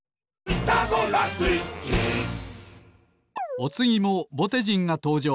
おつぎもぼてじんがとうじょう。